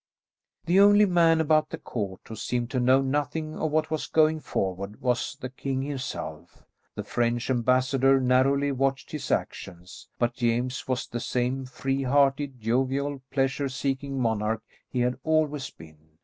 The only man about the court who seemed to know nothing of what was going forward was the king himself. The French ambassador narrowly watched his actions, but James was the same free hearted, jovial, pleasure seeking monarch he had always been.